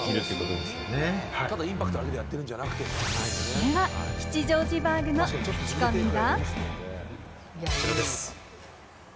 では、吉祥寺バーグのクチコミは？